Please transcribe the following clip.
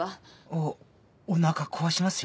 おおなか壊しますよ。